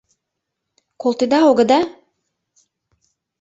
Колтеда-огыда?